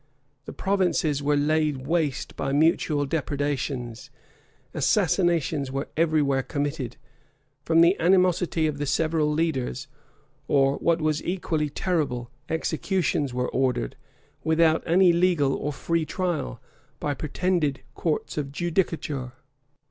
The provinces were laid waste by mutual depredations: assassinations were every where committed, from the animosity of the several leaders; or, what was equally terrible, executions were ordered, without any legal or free trial, by pretended courts of judicature.